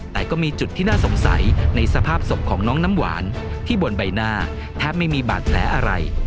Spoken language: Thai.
แต่ก็มีจุดที่น่าสงสัยในสภาพศพของน้องน้ำหวานที่บนใบหน้าแทบไม่มีบาดแผลอะไร